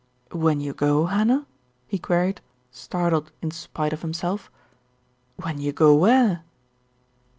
"When you go, Hannah?" he queried, startled in spite of himself. "When you go where?"